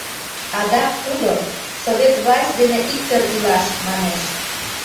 Адак тудо, совет власть дене иктӧр илаш, манеш.